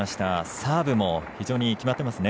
サーブも非常に決まってますね。